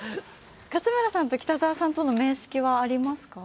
勝村さんと北澤さんとの面識はありますか？